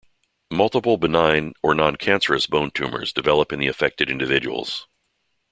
Multiple benign or noncancerous bone tumors develop in the affected individuals.